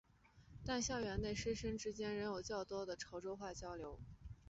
但校园内师生之间仍有较多的潮州话交流。